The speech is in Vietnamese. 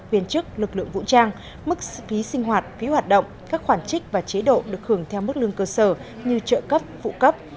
viên chức lực lượng vũ trang mức phí sinh hoạt phí hoạt động các khoản trích và chế độ được hưởng theo mức lương cơ sở như trợ cấp phụ cấp